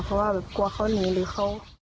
เพราะว่าแบบกลัวเขาหนีหรือเขา